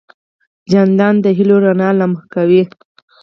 جانداد د هېلو رڼا لمع کوي.